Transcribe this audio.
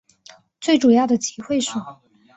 最主要的集会所